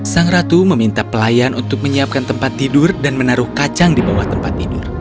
sang ratu meminta pelayan untuk menyiapkan tempat tidur dan menaruh kacang di bawah tempat tidur